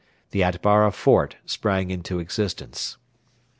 The Atbara fort sprang into existence.